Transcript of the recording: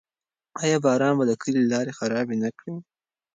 آیا باران به د کلي لارې خرابې نه کړي؟